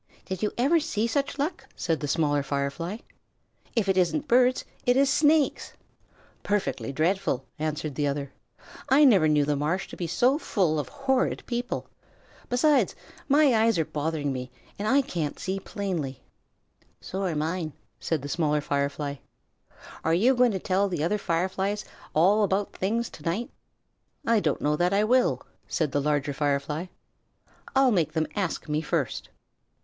"Did you ever see such luck?" said the Smaller Firefly. "If it isn't birds it is snakes." "Perfectly dreadful!" answered the other. "I never knew the marsh to be so full of horrid people. Besides, my eyes are bothering me and I can't see plainly." "So are mine," said the Smaller Firefly. "Are you going to tell the other Fireflies all about things to night?" "I don't know that I will," said the Larger Firefly. "I'll make them ask me first."